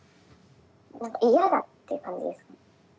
何か嫌だっていう感じですかね。